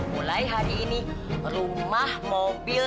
mulai hari ini rumah mobil